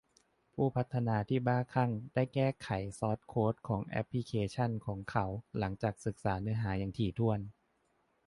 ผู้พัฒนาที่บ้าคลั่งได้แก้ไขซอร์สโค้ดของแอปพลิเคชันของเขาหลังจากศึกษาเนื้อหาอย่างถี่ถ้วน